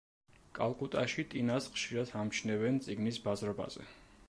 კალკუტაში ტინას ხშირად ამჩნევენ წიგნის ბაზრობაზე.